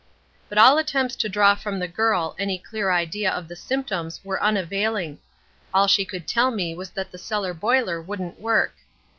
"But all attempts to draw from the girl any clear idea of the symptoms were unavailing. All she could tell me was that the cellar boiler wouldn't work.